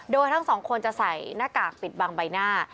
โดยทั้งสองคนจะใส่หน้ากากปิดบังใบหน้า